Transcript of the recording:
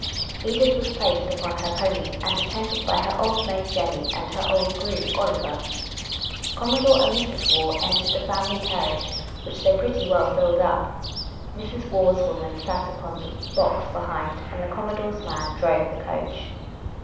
Edith was placed upon her pony and attended by her old maid Jenny and her old groom Oliver. Commodore and Mrs. Waugh entered the family carriage, which they pretty well filled up. Mrs. Waugh's woman sat upon the box behind and the Commodore's man drove the coach.